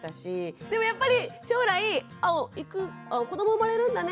でもやっぱり将来「子ども生まれるんだね」